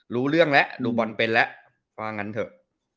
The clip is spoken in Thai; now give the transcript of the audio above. รู้เรื่องแล้วรู้บรรท์ไปแล้วก็งั้นเถอะ